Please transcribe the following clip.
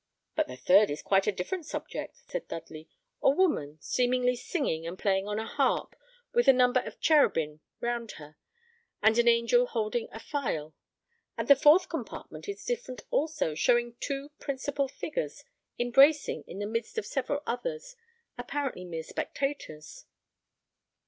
"But the third is quite a different subject," said Dudley: "a woman, seemingly singing and playing on a harp, with a number of cherubim round her, and an angel holding a phial; and the fourth compartment is different also, showing two principal figures embracing in the midst of several others, apparently mere spectators."